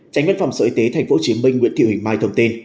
tránh văn phòng sở y tế tp hcm nguyễn thị huỳnh mai thông tin